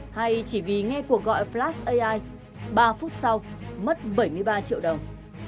hay chỉ vì nghe cuộc gọi flas ai ba phút sau mất bảy mươi ba triệu đồng